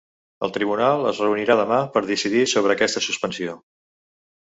El tribunal es reunirà demà per decidir sobre aquesta suspensió.